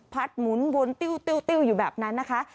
หมุนวนติ้วอยู่แบบนั้นนะคะ